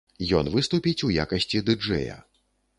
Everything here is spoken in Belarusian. Ён выступіць у якасці ды-джэя.